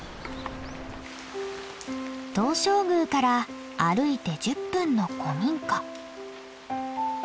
東照宮から歩いて１０分の古民家。